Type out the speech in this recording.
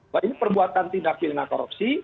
bahwa ini perbuatan tindak pidana korupsi